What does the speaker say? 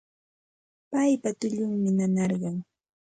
Paypa tullunmi nanarqan